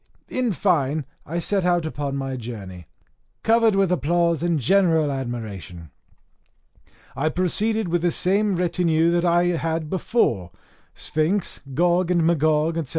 In fine, I set out upon my journey, covered with applause and general admiration. I proceeded with the same retinue that I had before Sphinx, Gog and Magog, &c.